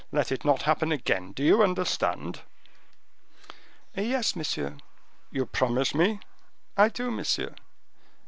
Let it not happen again. Do you understand?" "Yes, monsieur." "You promise me?" "I do, monsieur!"